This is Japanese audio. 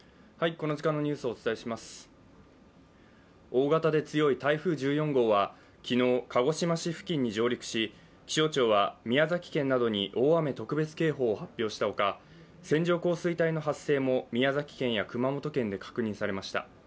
大型で強い台風１４号は昨日、鹿児島市付近に上陸し、気象庁は宮崎県などに大雨特別警報を発表したほか、線状降水帯の発生も宮崎県や熊本県で確認されました。